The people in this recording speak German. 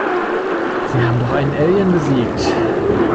Sie haben doch einen Alien besiegt.